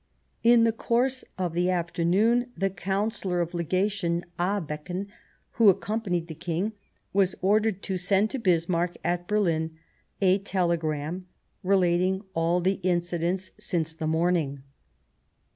In the course of the afternoon, the Counsellor of Legation, Abeken, who accompanied the King, was ordered to send to Bismarck at Berhn a telegram relating all the incidents since the morning.